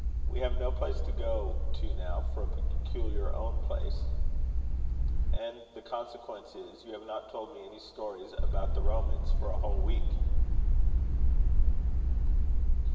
We have no place to go to now for a peculiar own place; and the consequence is, you have not told me any stories about the Romans for a whole week."